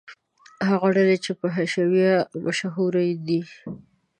هغه ډلې چې په حشویه مشهورې دي.